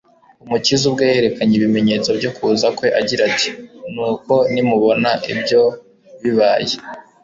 Umukiza ubwe yerekanye ibimenyetso byo kuza kwe agira ati : "Nuko nimubona ibyo bibaye,